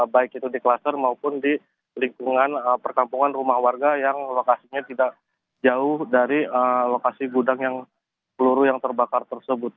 baik itu di kluster maupun di lingkungan perkampungan rumah warga yang lokasinya tidak jauh dari lokasi gudang yang peluru yang terbakar tersebut